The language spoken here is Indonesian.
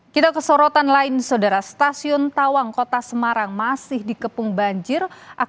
kita kesorotan lain sodara stasiun tawang kota semarang masih dikepung banjir